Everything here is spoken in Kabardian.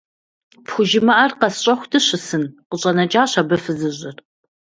ПхужымыӀэр къэсщӀэху дыщысын? – къыщӀэнэкӀащ абы фызыжьыр.